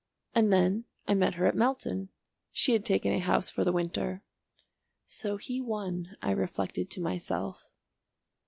And then, I met her at Melton. She had taken a house for the winter. "So he won," I reflected to myself.